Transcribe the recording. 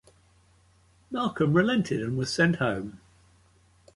Malcolm relented and was sent home.